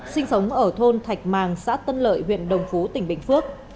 sinh sống ở thôn thạch màng xã tân lợi huyện đồng phú tỉnh bình phước